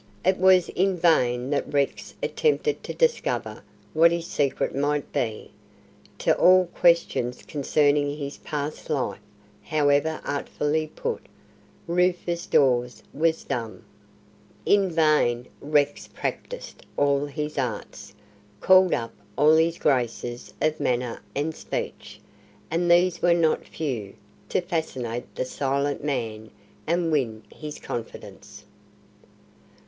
It was in vain that Rex attempted to discover what this secret might be. To all questions concerning his past life however artfully put Rufus Dawes was dumb. In vain Rex practised all his arts, called up all his graces of manner and speech and these were not few to fascinate the silent man and win his confidence.